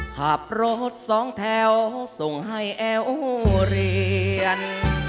ขับรถสองแถวส่งให้แอลโอเรียน